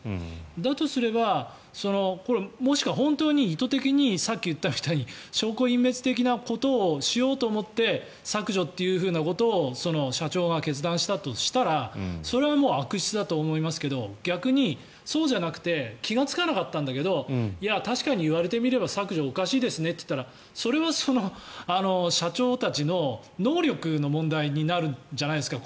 だとすれば、もしくは本当に意図的にさっき言ったみたいに証拠隠滅的なことをしようと思って削除ということを社長が決断したとしたらそれはもう悪質だと思いますけど逆に、そうじゃなくて気がつかなかったんだけどいや、確かに言われてみれば削除おかしいですねといったらそれは今度は社長たちの能力の問題になるんじゃないですか。